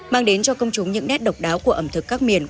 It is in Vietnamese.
mang đến cho công chúng những nét độc đáo của ẩm thực các miền